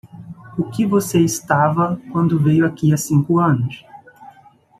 O que você estava quando veio aqui há cinco anos?